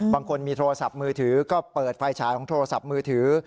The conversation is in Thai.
บางคนมีโทรศัพท์มือถือก็เปิดไฟฉายของโทรศัพท์มือถือ